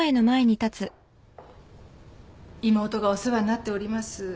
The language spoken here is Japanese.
妹がお世話になっております。